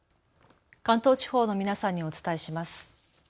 関東地方の皆さんにお伝えします。